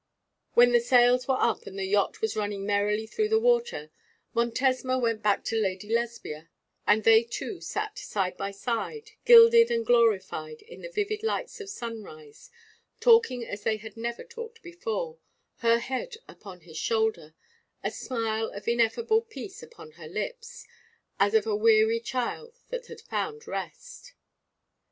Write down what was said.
When the sails were up and the yacht was running merrily through the water, Montesma went back to Lady Lesbia, and they two sat side by side, gilded and glorified in the vivid lights of sunrise, talking as they had never talked before, her head upon his shoulder, a smile of ineffable peace upon her lips, as of a weary child that has found rest.